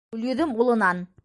Гөлйөҙөм улынан: